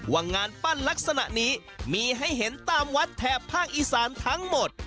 ว่างานปั้นลักษณะนี้มีให้เห็นตามวัดแถบภาคอีสานทั้งหมด